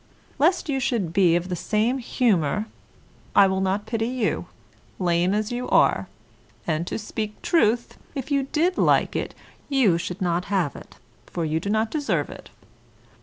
Lest you should be of the same humour I will not pity you, lame as you are; and to speak truth, if you did like it, you should not have it, for you do not deserve it.